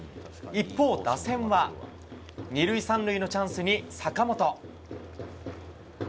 一方、打線は２塁３塁のチャンスに坂本。